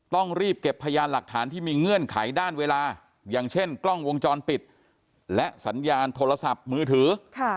ต้องรีบเก็บพยานหลักฐานที่มีเงื่อนไขด้านเวลาอย่างเช่นกล้องวงจรปิดและสัญญาณโทรศัพท์มือถือ